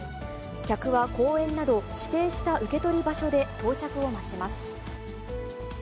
客は公園など、指定した受け取り場所で到着を待ちます。